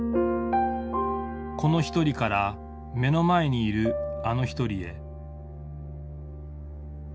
この一人から目の前にいるあの一人へ。